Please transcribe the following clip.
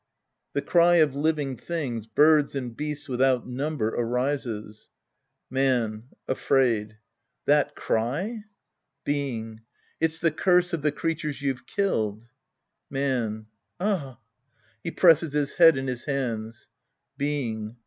{^he cry of living things, birds and beasts tvithout number, arises^ Man {afraid). That ciy ? Being. It's the curse of the creatures you've killed. Man. Ah. {He presses his head in his hands.') Being.